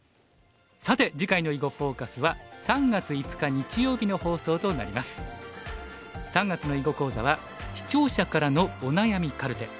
さて次回の「囲碁フォーカス」は３月の囲碁講座は「視聴者からのお悩みカルテ」。